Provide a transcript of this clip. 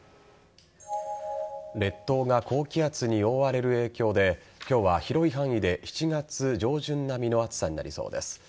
列島が高気圧に覆われる影響で今日は広い範囲で７月上旬並みの暑さになりそうです。